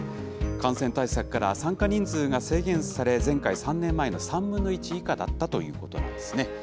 感染対策から参加人数が制限され、前回・３年前の３分の１以下だったということなんですね。